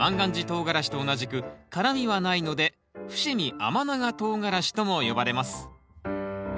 とうがらしと同じく辛みはないので伏見甘長とうがらしとも呼ばれます。